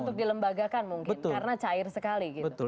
untuk dilembagakan mungkin karena cair sekali gitu